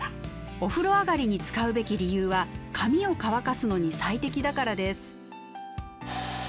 お風呂上がりに使うべき理由は髪を乾かすのに最適だからです。